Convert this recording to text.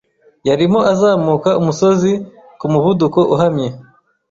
Yarimo azamuka umusozi ku muvuduko uhamye.